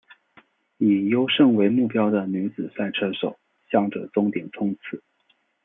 以优胜为目标的女子赛车手向着终点冲刺！